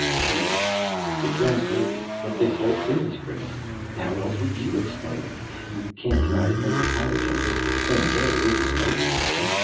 "Sure, it sounds crazy but this whole thing is crazy. How else would you explain it? You can't deny that most of Tylerton lives the same day over and over again.